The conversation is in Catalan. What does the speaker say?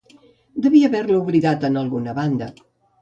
Devia haver-la oblidat en alguna banda.